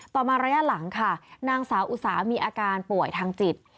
มาระยะหลังค่ะนางสาวอุสามีอาการป่วยทางจิต